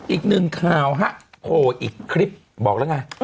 อีกหนึ่งข่าวอีกคลิปบอกแล้วไง